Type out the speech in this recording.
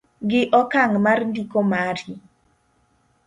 gi okang' mar ndiko mari